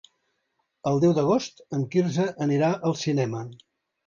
El deu d'agost en Quirze anirà al cinema.